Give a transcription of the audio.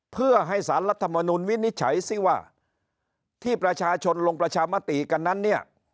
เพื่อให้สารรัฐมนุนวินิจฉัยซิว่าที่ประชาชนลงประชามติกันนั้นเนี่ย